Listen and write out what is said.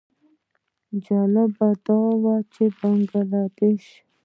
جالبه دا وه چې د بنګله دېش.